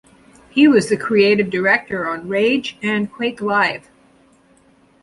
He was the creative director on "Rage" and "Quake Live".